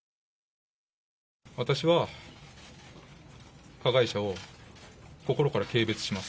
私は加害者を心から軽蔑します。